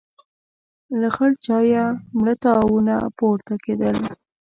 له خړ چايه مړه تاوونه پورته کېدل.